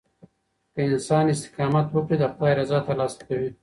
که انسان استقامت وکړي، د خداي رضا ترلاسه کوي.